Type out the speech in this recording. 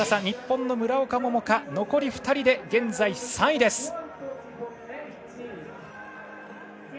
日本の村岡桃佳残り２人で現在３位です。